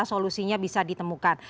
solusinya bisa ditemukan